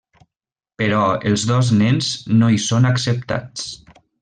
Però els dos nens no hi són acceptats.